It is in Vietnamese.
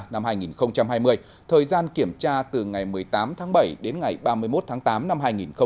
năm hai nghìn hai mươi thời gian kiểm tra từ ngày một mươi tám tháng bảy đến ngày ba mươi một tháng tám năm hai nghìn hai mươi